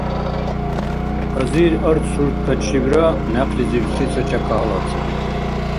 Азир арцуртачибра някълизибси ца чяка гьалаб саби.